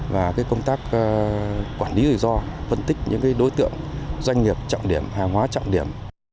và công tác quản lý rủi ro phân tích những đối tượng doanh nghiệp trọng điểm hàng hóa trọng điểm